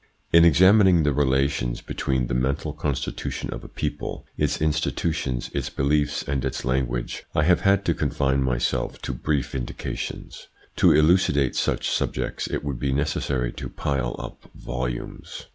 IN examining the relations between the mental constitution of a people, its institutions, its beliefs, and its language, I have had to confine myself to brief indications. To elucidate such sub jects, it would be necessary to pile up volumes.